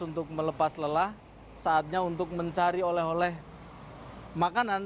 untuk melepas lelah saatnya untuk mencari oleh oleh makanan